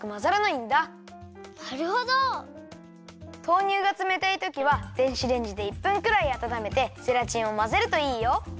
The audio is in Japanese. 豆乳がつめたいときは電子レンジで１分くらいあたためてゼラチンをまぜるといいよ。